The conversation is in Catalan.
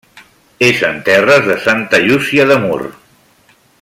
És en terres de Santa Llúcia de Mur.